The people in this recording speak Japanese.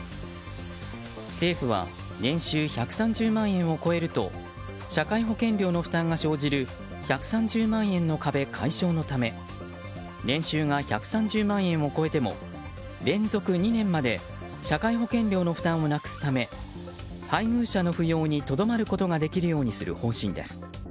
政府は年収１３０万円を超えると社会保険料の負担が生じる１３０万円の壁、解消のため年収が１３０万円を超えても連続２年まで社会保険料の負担をなくすため配偶者の扶養にとどまることができるようにする方針です。